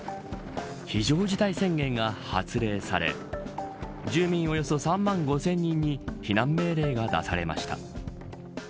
非常事態宣言が発令され住民およそ３万５０００人に避難命令が出されました。